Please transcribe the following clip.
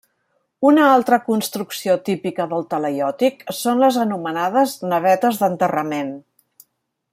Una altra construcció típica del talaiòtic són les anomenades navetes d'enterrament.